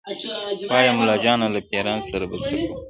وایه مُلاجانه له پېریان سره به څه کوو -